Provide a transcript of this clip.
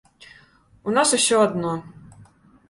У нас усё адно.